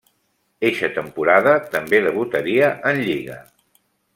Eixa temporada també debutaria en lliga.